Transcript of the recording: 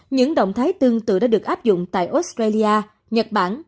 những động thái tương tự đã được áp dụng tại australia nhật bản